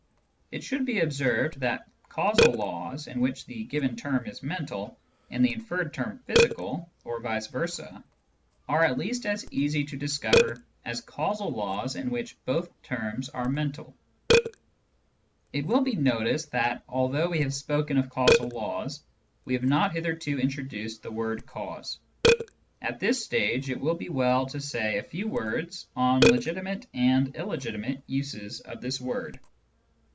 It should be observed that causal laws in which the given term is mental and the inferred term physical, or vice versay are at least as easy to discover as causal laws in which both terms are mental. It will be noticed that, although we have spoken of Digitized by Google 220 SCIENTIFIC METHOD IN PHILOSOPHY causal laws, we have not hitherto introduced the word " cause." At this stage, it will be well to say a few words on legitimate and illegitimate uses of this word.